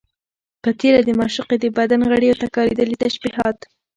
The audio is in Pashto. په تېره، د معشوقې د بدن غړيو ته کارېدلي تشبيهات